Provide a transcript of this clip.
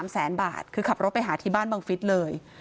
๓แสนบาทคือขับรถไปหาที่บ้านบังฟิศเลย